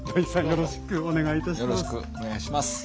よろしくお願いします。